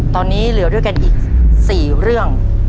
ตอนนี้เหลือด้วยกันอีก๔เรื่อง